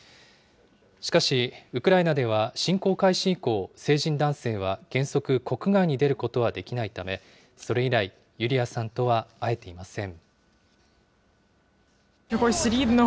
しかし、ウクライナでは侵攻開始以降、成人男性は原則、国外に出ることはできないため、それ以来、ユリアさんとは会えていません。